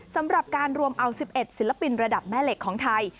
สำหรับการรวมเอา๑๑ศิลปินระดับแม่เหล็กของไทย